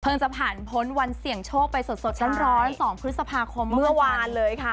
จะผ่านพ้นวันเสี่ยงโชคไปสดร้อน๒พฤษภาคมเมื่อวานเลยค่ะ